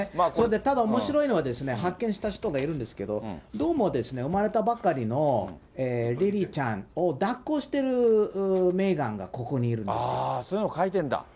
ただおもしろいのは、発見した人がいるんですけど、どうも生まれたばかりのリリちゃんをだっこしているメーガンがこそういうの描いてんだ。